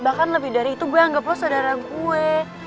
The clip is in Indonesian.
bahkan lebih dari itu gue anggap lo saudara gue